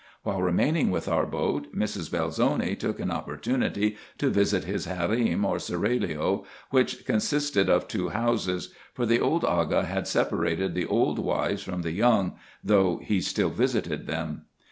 While remaining with our boat, Mrs. Belzoni took an opportunity to visit his harem, or seraglio, which consisted of two houses ; for the old Aga had separated the old wives from the young, though he still visited them.